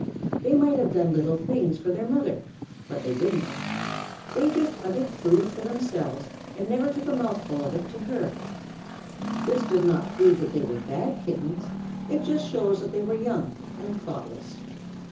They might have done kind little things for their mother, but they didn't. They just hunted food for themselves and never took a mouthful of it to her. And this does not prove that they were bad Kittens. It just shows that they were young and thoughtless.